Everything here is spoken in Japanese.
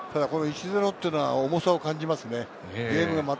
ただ１ー０っていうのは重さを感じますね。